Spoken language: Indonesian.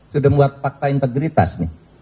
sudah membuat fakta integritas nih